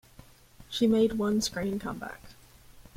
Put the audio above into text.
She made one screen comeback.